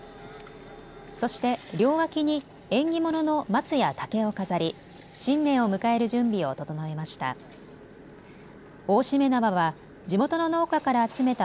そして、両脇に縁起物の松や竹を飾り新年を迎える準備を整えました。